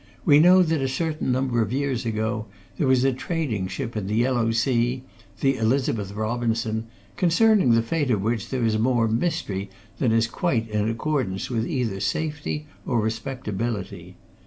We know that a certain number of years ago there was a trading ship in the Yellow Sea, the Elizabeth Robinson, concerning the fate of which there is more mystery than is quite in accordance with either safety or respectability.